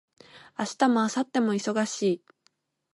明日も明後日も忙しい